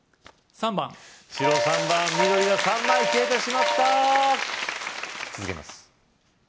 ３番白３番緑は３枚消えてしまった続けます